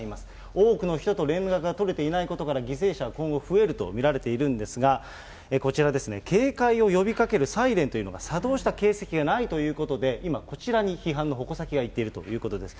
多くの人と連絡が取れていないことから、犠牲者は今後増えると見られているんですが、こちらですね、警戒を呼びかけるサイレンというのが作動した形跡がないということで、今、こちらに批判の矛先がいっているということです。